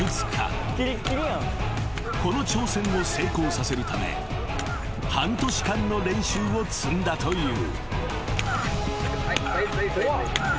［この挑戦を成功させるため半年間の練習を積んだという］